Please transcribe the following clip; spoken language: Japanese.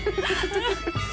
ハハハ